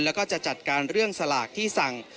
แล้วก็จะจัดการเรื่องสลากที่สั่ง